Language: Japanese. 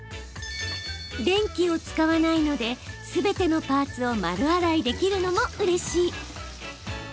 電気を使わないのですべてのパーツを丸洗いできるのもうれしい。